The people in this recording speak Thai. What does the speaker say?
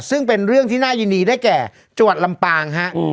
ซึ่งเป็นเรื่องที่น่ายินดีได้แก่จังหวัดลำปางฮะ